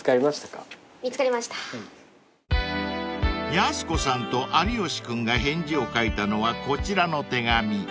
［やす子さんと有吉君が返事を書いたのはこちらの手紙］